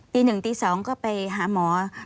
ตีหนึ่งตีสองก็ไปหาหมอ